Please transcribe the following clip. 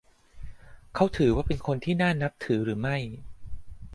เขาถือว่าเป็นคนที่น่านับถือหรือไม่ ?